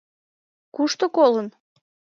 Кушто колын?